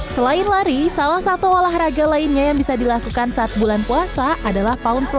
selain lari salah satu olahraga lainnya yang bisa dilakukan saat bulan puasa adalah pound pro